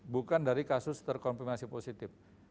bukan dari kasus terkonfirmasi positif